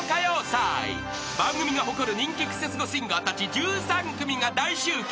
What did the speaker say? ［番組が誇る人気クセスゴシンガーたち１３組が大集結］